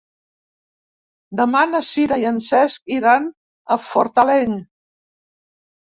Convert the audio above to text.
Demà na Sira i en Cesc iran a Fortaleny.